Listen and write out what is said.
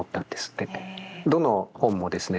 どの本もですね